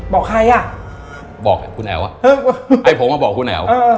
บอกใครอ่ะบอกคุณแอ๋วให้ผมมาบอกคุณแอ๋ว